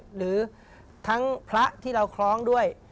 หรือทั้งพระที่เราคล้องด้วย